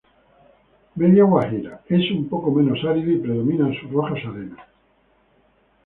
Media Guajira:Es un poco menos árido y predominan sus rojas arenas.